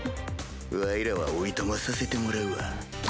わいらはおいとまさせてもらうわ。